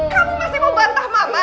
kamu masih mau bantah mama